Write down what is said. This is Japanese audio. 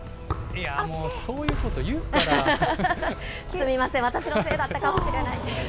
すみません、私のせいだったかもしれない。